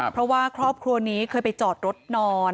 เพราะว่าครอบครัวนี้เคยไปจอดรถนอน